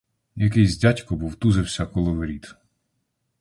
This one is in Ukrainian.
Якийсь дядько вовтузився коло воріт.